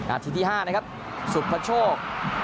อาทิตย์ที่๕นะครับสุภโชค